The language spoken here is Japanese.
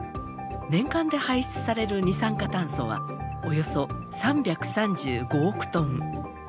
年間で排出される二酸化炭素はおよそ３３５億トン。